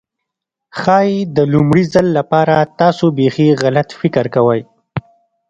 ښايي د لومړي ځل لپاره تاسو بيخي غلط فکر کوئ.